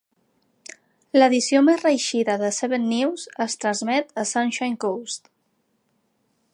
L'edició més reeixida de "Seven News" es transmet a Sunshine Coast.